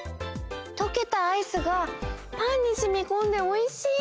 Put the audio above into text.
とけたアイスがパンにしみこんでおいしい！